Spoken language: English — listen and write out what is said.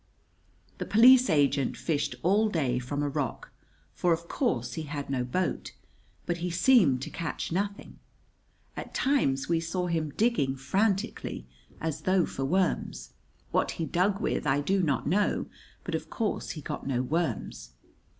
The police agent fished all day from a rock, for, of course, he had no boat; but he seemed to catch nothing. At times we saw him digging frantically, as though for worms. What he dug with I do not know; but, of course, he got no worms.